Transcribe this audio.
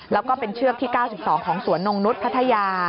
แล้วก็เป็นเชือกที่๙๒ของสวนนงนุษย์พัทยา